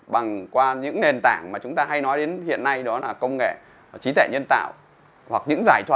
bằng qua những nền tảng mà chúng ta hay nói đến hiện nay đó là công nghệ trí tệ nhân tạo hoặc những giải thoả